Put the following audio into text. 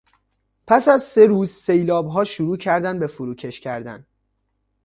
پس از سه روز سیلابها شروع کردند به فروکش کردن.